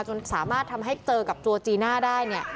จนสามารถทำให้เจอกับตัวจีน่าได้เนี่ย